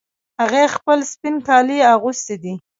هغې خپل سپین کالي اغوستې دي